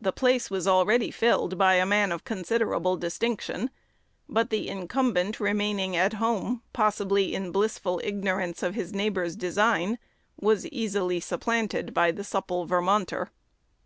The place was already filled by a man of considerable distinction; but the incumbent remaining at home, possibly in blissful ignorance of his neighbor's design, was easily supplanted by the supple Vermonter.